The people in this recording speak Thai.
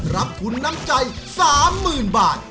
รับทุนน้ำใจ๓๐๐๐บาท